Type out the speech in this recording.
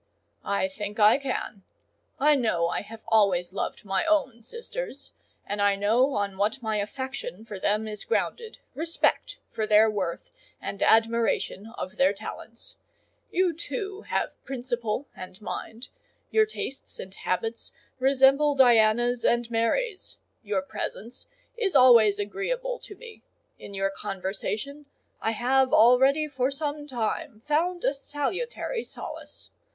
"I think I can. I know I have always loved my own sisters; and I know on what my affection for them is grounded,—respect for their worth and admiration of their talents. You too have principle and mind: your tastes and habits resemble Diana's and Mary's; your presence is always agreeable to me; in your conversation I have already for some time found a salutary solace.